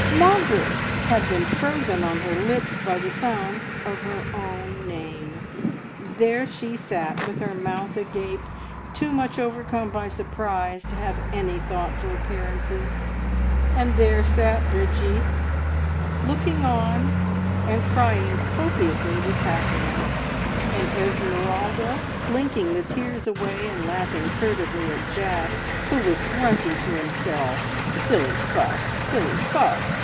Margaret!" had been frozen on her lips by the sound of her own name. There she sat with her mouth agape, too much overcome by surprise to have any thought for appearances, and there sat Bridgie looking on and crying copiously with happiness, and Esmeralda blinking the tears away and laughing furtively at Jack, who was grunting to himself, "Silly fuss! Silly fuss!"